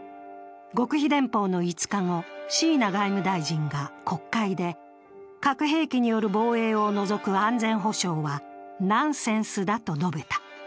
極秘電報の５日後、椎名外務大臣が国会で核兵器による防衛を除く安全保障はナンセンスだと述べた。